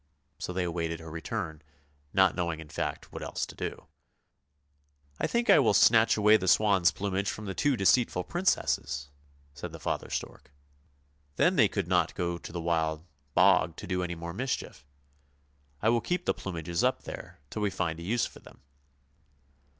" so they awaited her return, not knowing in fact what else to do. " I think I will snatch away the swans' plumage from the two deceitful Princesses," said the father stork. " Then they could not go to the Wild Bog to do any more mischief. I will keep the plumages up there till we find a use for them."